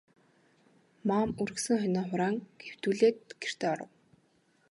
Маам үргэсэн хонио хураан хэвтүүлээд гэртээ оров.